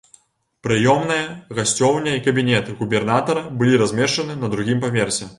Прыёмная, гасцёўня і кабінет губернатара былі размешаны на другім паверсе.